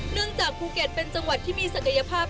จากภูเก็ตเป็นจังหวัดที่มีศักยภาพ